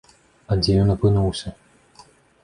А дзе ён апынуўся?